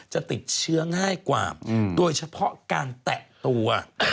จะติดเชื้อง่ายกว่าโดยเฉพาะการแตะตัว